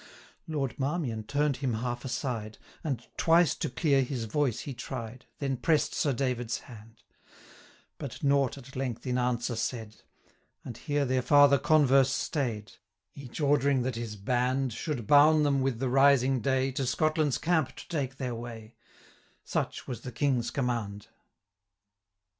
480 Lord Marmion turn'd him half aside, And twice to clear his voice he tried, Then press'd Sir David's hand, But nought, at length, in answer said; And here their farther converse staid, 485 Each ordering that his band Should bowne them with the rising day, To Scotland's camp to take their way, Such was the King's command.